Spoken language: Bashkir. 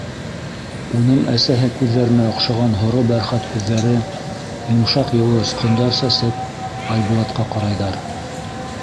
Уның әсәһе күҙҙәренә оҡшаған һоро бәрхәт күҙҙәре, йомшаҡ, йылы осҡондар сәсеп, Айбулатҡа ҡарайҙар.